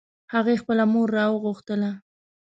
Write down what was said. هغې خپل مور راوغوښتله